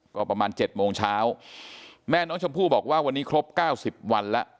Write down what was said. ก็ประมาณ๗โมงเช้าแม่น้องชมพู่บอกว่าวันนี้ครบ๙๐วันแล้ว